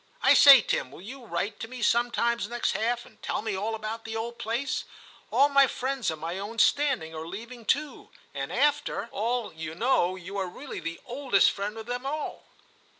I say, Tim, will you write to me sometimes next half and tell me all about the old place ? All my friends of my own standing are leaving too ; and after 158 TIM CHAP. all, you know, you are really the oldest friend of them all.'